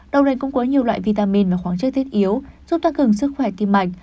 đậu nành cũng có nhiều loại vitamin và khoáng chất tiết yếu giúp tăng cường sức khỏe tim mạnh